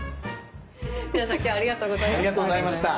皆さん今日はありがとうございました。